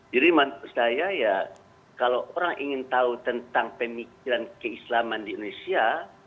jadi menurut saya kalau orang ingin tahu tentang pemikiran keislaman di indonesia